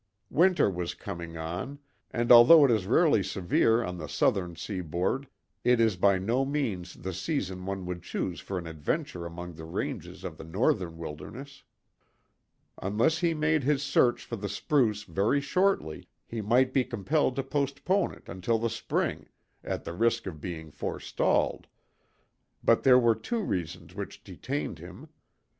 Winter was coming on, and although it is rarely severe on the southern seaboard, it is by no means the season one would choose for an adventure among the ranges of the northern wilderness. Unless he made his search for the spruce very shortly, he might be compelled to postpone it until the spring, at the risk of being forestalled; but there were two reasons which detained him.